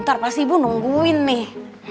ntar pasti ibu nungguin nih